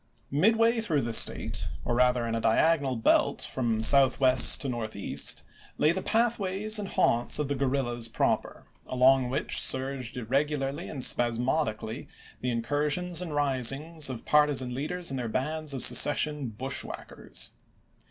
Midway through the State, or rather in a diagonal belt from Southwest to Northeast, lay the pathways and haunts of the guerrillas proper, along which surged irregularly and spasmodically the incur sions and risings of partisan leaders and their bands of secession "bushwhackers."